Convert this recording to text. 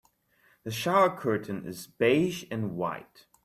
The shower curtain is beige and white.